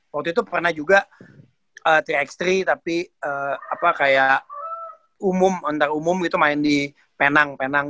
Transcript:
waktu itu pernah juga tiga x tiga tapi kayak umum ontar umum gitu main di penang penang